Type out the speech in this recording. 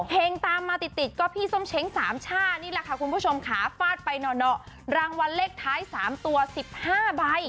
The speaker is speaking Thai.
ตามมาติดก็พี่ส้มเช้งสามช่านี่แหละค่ะคุณผู้ชมค่ะฟาดไปหน่อรางวัลเลขท้าย๓ตัว๑๕ใบ